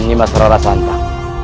nimas rara santan